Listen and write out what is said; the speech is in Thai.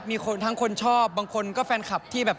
มีท่านท่านชอบบางคนก็แฟนคลับ